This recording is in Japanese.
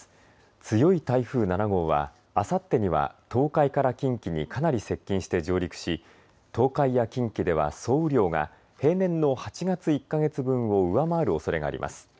強い台風７号はあさってには東海から近畿にかなり接近して上陸し東海や近畿では総雨量が平年の８月１か月分を上回るおそれがあります。